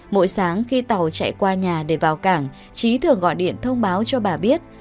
mỗi sáng khi tàu chạy qua nhà để vào cảng trí thường gọi điện thông báo cho bà biết